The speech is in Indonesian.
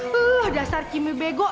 huh dasar kimi bego